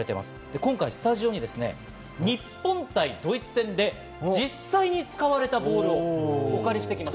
今回スタジオに日本対ドイツ戦で実際に使われたボールをお借りしてきまし